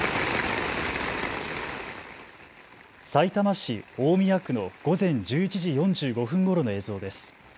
さいたま市大宮区の午前１１時４５分ごろの映像です。